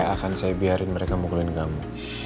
akan saya biarin mereka mukulin kamu